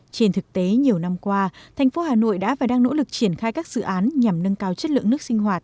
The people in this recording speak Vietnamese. trên thực tế nhiều năm qua thành phố hà nội đã và đang nỗ lực triển khai các dự án nhằm nâng cao chất lượng nước sinh hoạt